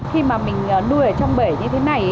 khi mà mình nuôi ở trong bể như thế này